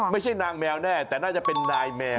ไม่ใช่นางแมวแน่แต่น่าจะเป็นนายแมว